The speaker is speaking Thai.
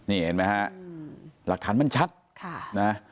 นี่เห็นไหมฮะหลักฐานมันชัดนะ